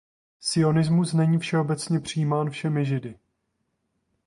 Sionismus není všeobecně přijímán všemi Židy.